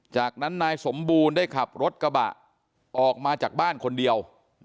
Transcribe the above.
จากนั้นนายสมบูรณ์ได้ขับรถกระบะออกมาจากบ้านคนเดียว